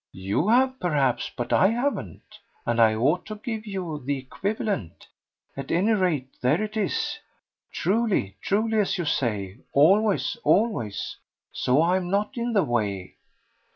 "You have perhaps, but I haven't, and I ought to give you the equivalent. At any rate there it is. 'Truly, truly' as you say 'always, always.' So I'm not in the way."